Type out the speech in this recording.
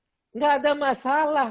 tidak ada masalah